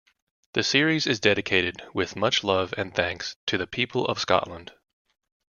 The series is dedicated "with much love and thanks to the people of Scotland".